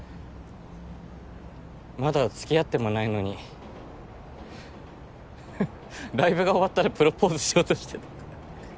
まだ付き合ってもないのにフッライブが終わったらプロポーズしようとしてた。